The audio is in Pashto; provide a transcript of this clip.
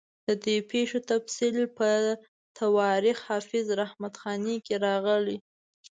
د دې پېښو تفصیل په تواریخ حافظ رحمت خاني کې راغلی.